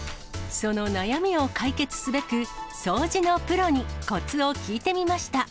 その悩みを解決すべく、掃除のプロにこつを聞いてみました。